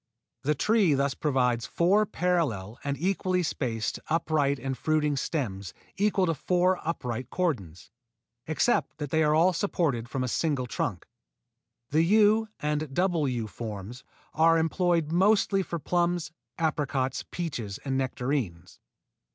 The tree thus provides four parallel and equally spaced upright and fruiting stems equal to four upright cordons, except that they are all supported from a single trunk. The U and double U forms are employed mostly for plums, apricots, peaches and nectarines.